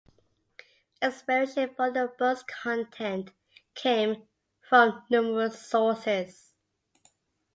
Inspiration for the book's content came from numerous sources.